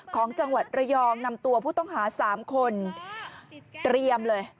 ของจังหวัดระยองนำตัวผู้ต้องหา๓คนเตรียมเลย